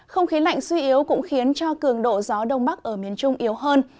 không khí lạnh suy yếu cũng khiến cho cường độ gió đông bắc ở miền trung yếu hơn